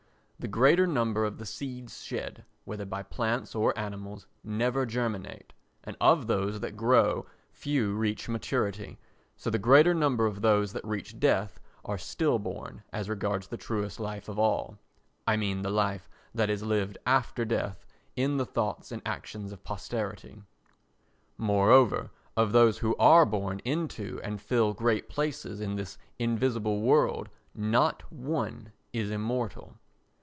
The greater number of the seeds shed, whether by plants or animals, never germinate and of those that grow few reach maturity, so the greater number of those that reach death are still born as regards the truest life of all—I mean the life that is lived after death in the thoughts and actions of posterity. Moreover of those who are born into and fill great places in this invisible world not one is immortal.